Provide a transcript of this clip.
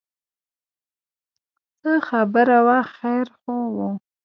څه خبره وه خیر خو و.